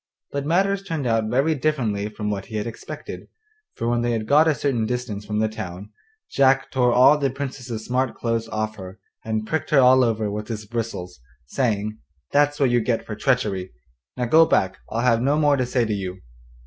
But matters turned out very differently from what he had expected, for when they had got a certain distance from the town Jack tore all the Princess's smart clothes off her, and pricked her all over with his bristles, saying: 'That's what you get for treachery. Now go back, I'll have no more to say to you.